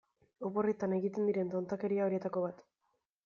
Oporretan egiten diren tontakeria horietako bat.